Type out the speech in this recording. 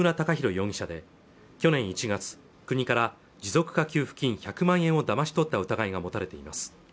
容疑者で去年１月国から持続化給付金１００万円をだまし取った疑いが持たれています